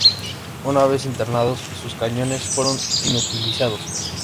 Una vez internados, sus cañones fueron inutilizados.